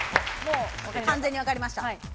完全に分かりました。